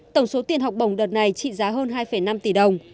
tổng số tiền học bổng đợt này trị giá hơn hai năm tỷ đồng